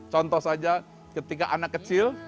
contoh saja ketika anak kecil